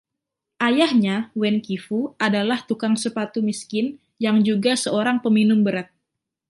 Ayahnya, Wen Qifu adalah tukang sepatu miskin yang juga seorang peminum berat.